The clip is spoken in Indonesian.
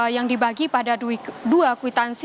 yang dibagi pada dua kwitansi